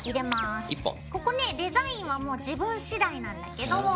ここねデザインはもう自分次第なんだけど。